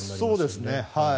そうですね。